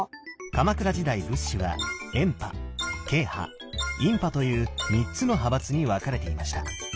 鎌倉時代仏師は「円派」「慶派」「院派」という３つの派閥に分かれていました。